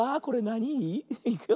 これなに「い」？